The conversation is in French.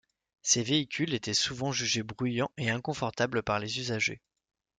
Ces véhicules étaient souvent jugés bruyants et inconfortables par les usagers.